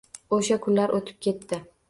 Oʻsha kunlar oʻtib ketdi.